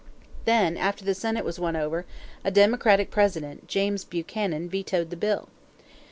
Then, after the Senate was won over, a Democratic President, James Buchanan, vetoed the bill.